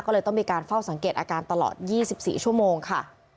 ก็เลยต้องมีการเฝ้าสังเกตอาการตลอด๒๔ชั่วโมงค่ะ